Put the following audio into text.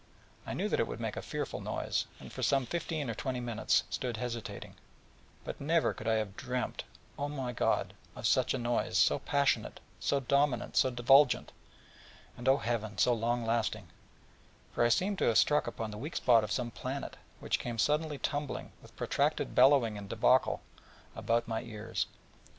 I knew that it would make a fearful noise, and for some fifteen or twenty minutes stood hesitating: but never could I have dreamed, my good God, of such a noise, so passionate, so dominant, so divulgent, and, O Heaven, so long lasting: for I seemed to have struck upon the weak spot of some planet, which came suddenly tumbling, with protracted bellowing and débâcle, about my ears.